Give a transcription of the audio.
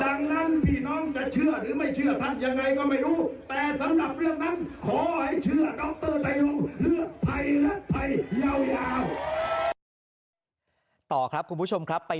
ท่านเนี่ยเชียบและยุ่นระว่างไป